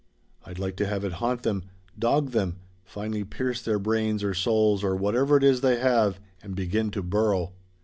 I'd like to have it haunt them dog them finally pierce their brains or souls or whatever it is they have, and begin to burrow.